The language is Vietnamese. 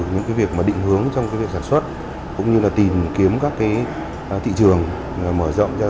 những cái việc mà định hướng trong cái việc sản xuất cũng như là tìm kiếm các cái thị trường mở rộng ra